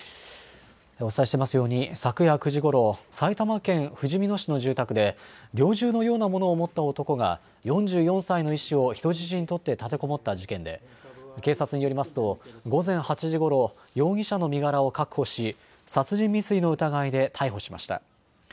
お伝えしていますように昨夜９時ごろ、埼玉県ふじみ野市の住宅で猟銃のようなものを持った男が４４歳の医師を人質に取って立てこもった事件で警察によりますと午前８時ごろ、容疑者の身柄を確保し、殺人未遂の疑いで逮捕しました。